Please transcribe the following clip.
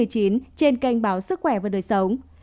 trên kênh báo sức khỏe và đời sống